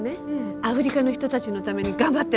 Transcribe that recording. アフリカの人たちのために頑張ってるのよ。